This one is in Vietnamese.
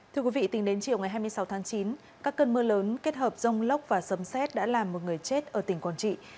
thưa quý vị tính đến chiều ngày hai mươi sáu tháng chín các cơn mưa lớn kết hợp rông lốc và sấm xét đã làm một người chết ở tỉnh quảng trị